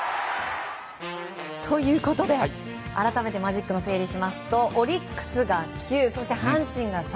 ということで改めてマジックを整理しますとオリックスが９そして阪神が３。